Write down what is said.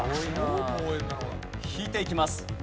引いていきます。